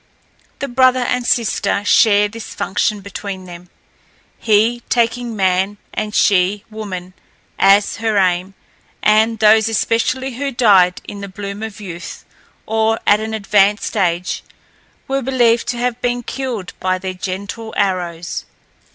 The brother and sister share this function between them, he taking man and she woman as her aim, and those especially who died in the bloom of youth, or at an advanced age, were believed to have been killed by their gentle arrows.